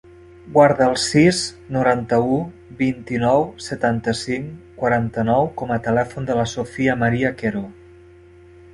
Guarda el sis, noranta-u, vint-i-nou, setanta-cinc, quaranta-nou com a telèfon de la Sofia maria Quero.